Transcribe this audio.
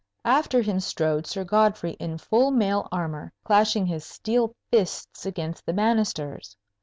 After him strode Sir Godfrey in full mail armour, clashing his steel fists against the banisters.